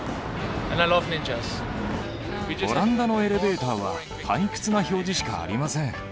オランダのエレベーターは、退屈な表示しかありません。